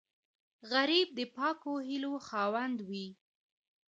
غریب د پاکو هیلو خاوند وي